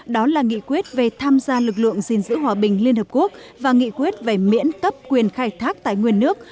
đó là nghị quyết về tham gia lực lượng gìn giữ hòa bình liên hợp quốc và nghị quyết về miễn cấp quyền khai thác tài nguyên nước